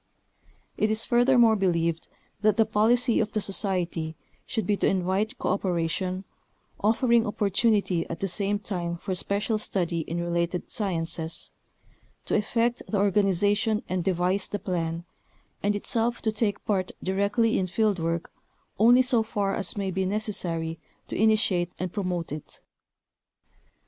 It is furthermore believed that the policy of the Society should be to invite cooperation, offering opportunity at the same time for special study in related sciences ; to effect the organization and devise the plan, and itself to take part directly in field work only so far as may be necessary to initiate and promote it.